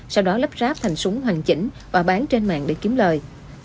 sau đó lắp ráp thành súng hoàn chỉnh và bán trên mạng để kiếm lời